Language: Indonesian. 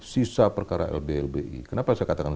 sisa perkara lb lbi kenapa saya katakan